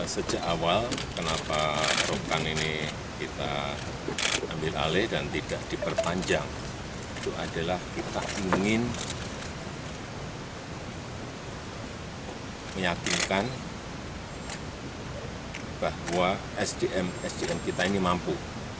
sejak awal kenapa program ini kita ambil alih dan tidak diperpanjang itu adalah kita ingin meyakinkan bahwa sdm sdm kita ini mampu